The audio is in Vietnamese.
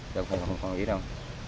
đâu phải là không có nghĩa đâu